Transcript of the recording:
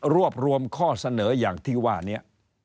รวบรวมข้อเสนออย่างที่ว่านี้